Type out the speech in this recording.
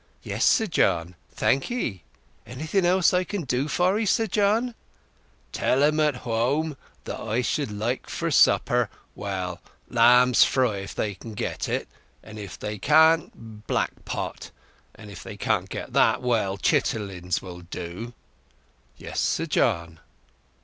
"Yes, Sir John. Thank 'ee. Anything else I can do for 'ee, Sir John?" "Tell 'em at hwome that I should like for supper,—well, lamb's fry if they can get it; and if they can't, black pot; and if they can't get that, well chitterlings will do." "Yes, Sir John."